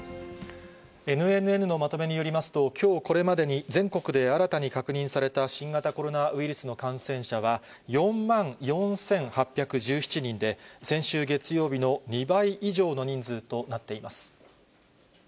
ＮＮＮのまとめによりますと、きょうこれまでに、全国で新たに確認された新型コロナウイルスの感染者は４万４８１７人で、先週月曜日の２倍以上の人数となっています。